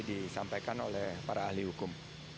jadi disampaikan oleh para ahli hukum